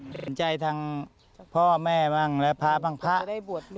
ทางเจ้าภาพก็เลยบอกว่าไม่อยากให้มองแบบนั้นจบดราม่าสักทีได้ไหม